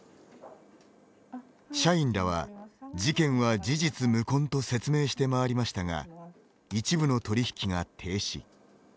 社員らは、事件は事実無根と説明して回りましたが一部の取り引きが停止。